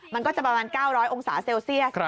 มันก็จะประมาณ๙๐๐องศาเซลเซียส